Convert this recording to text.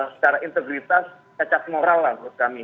secara integritas cacat moral lah menurut kami